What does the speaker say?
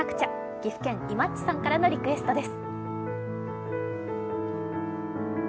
岐阜県・いまっちさんからのリクエストです。